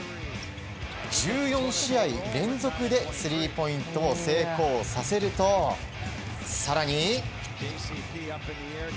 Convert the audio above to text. １４試合連続でスリーポイントを成功させると更に。